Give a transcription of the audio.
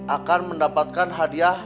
akan mendapatkan hadiah